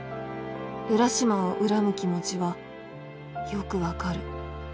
浦島を恨む気持ちはよく分かる。